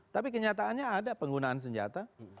tapi kenyataannya ada penggunaan senjata